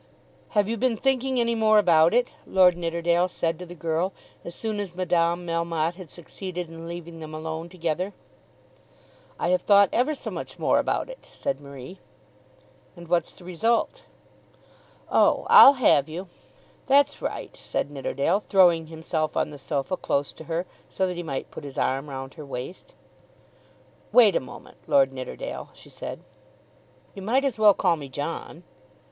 "Have you been thinking any more about it?" Lord Nidderdale said to the girl as soon as Madame Melmotte had succeeded in leaving them alone together. "I have thought ever so much more about it," said Marie. "And what's the result?" "Oh, I'll have you." "That's right," said Nidderdale, throwing himself on the sofa close to her, so that he might put his arm round her waist. "Wait a moment, Lord Nidderdale," she said. "You might as well call me John."